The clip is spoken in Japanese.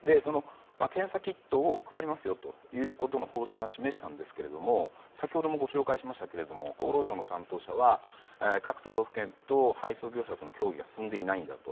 検査キットを配りますよということの方針は示したんですが先ほどもご紹介しましたが厚労省の担当者は各都道府県と配送業者との協議が進んでいないんだと。